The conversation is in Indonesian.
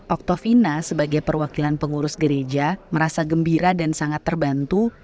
oktovina sebagai perwakilan pengurus gereja merasa gembira dan sangat terbantu